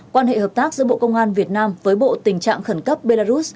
quan hệ hợp tác giữa bộ công an việt nam với bộ tình trạng khẩn cấp belarus